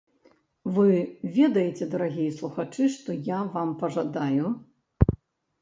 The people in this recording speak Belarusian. Вы ведаеце, дарагія слухачы, што я вам пажадаю?